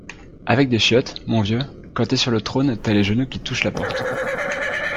Avec des chiottes, mon vieux, quand t’es sur le trône t’as les genoux qui touchent la porte